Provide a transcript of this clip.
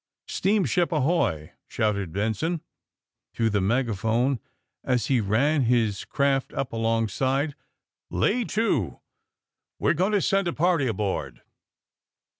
*^ Steamship, ahoy!'' shouted Benson, through the megaphone, as he ran his craft up along side. *^Lay to. We are going to send a party aboard.